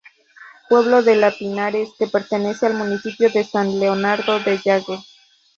Pueblo de la de Pinares que pertenece al municipio de San Leonardo de Yagüe.